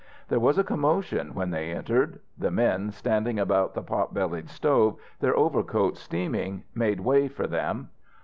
There was a commotion when they entered. The men, standing about the pot bellied stove, their overcoats steaming, made way for them.